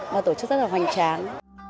và tổ chức rất là hoành tráng